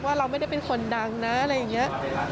เราไม่ได้เป็นคนดังนะอะไรอย่างนี้